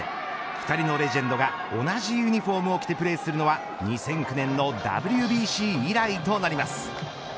２人のレジェンドが同じユニホームを着てプレーするのは２００９年のＷＢＣ以来となります。